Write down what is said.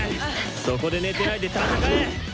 そこで寝てないで戦え！